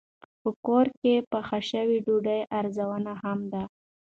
په کور کې پخه شوې ډوډۍ ارزانه هم ده.